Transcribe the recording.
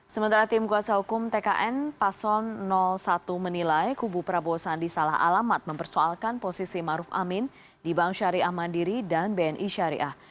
sementara tim kuasa hukum tkn paslon satu menilai kubu prabowo sandi salah alamat mempersoalkan posisi maruf amin di bank syariah mandiri dan bni syariah